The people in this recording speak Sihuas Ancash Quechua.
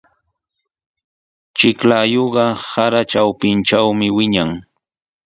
Chiklayuqa sara trawpintrawmi wiñan.